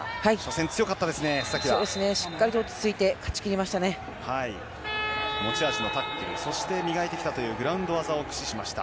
しっかりと落ち着いて持ち味のタックルそして、磨いてきたというグラウンド技を駆使しました